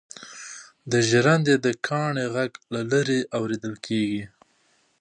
د ژرندې د کاڼي غږ له لیرې اورېدل کېږي.